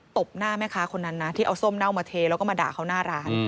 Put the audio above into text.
บหน้าแม่ค้าคนนั้นนะที่เอาส้มเน่ามาเทแล้วก็มาด่าเขาหน้าร้าน